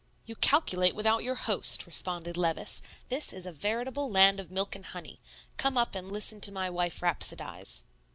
"You calculate without your host," responded Levice; "this is a veritable land of milk and honey. Come up and listen to my wife rhapsodize."